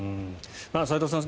齋藤さん